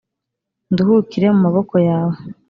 nduhukire mu maboko yawe